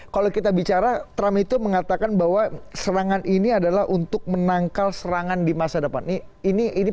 kalau kita bicara trump itu mengatakan bahwa serangan ini adalah untuk menangkal serangan di masa depan